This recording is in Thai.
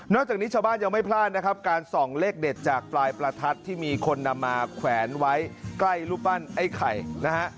จากนี้ชาวบ้านยังไม่พลาดนะครับการส่องเลขเด็ดจากปลายประทัดที่มีคนนำมาแขวนไว้ใกล้รูปปั้นไอ้ไข่นะฮะ